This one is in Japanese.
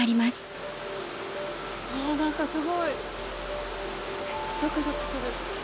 何かすごいゾクゾクする。